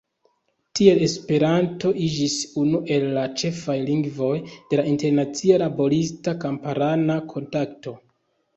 Tiel Esperanto iĝis unu el la ĉefaj lingvoj de la internacia laborista-kamparana kontakto.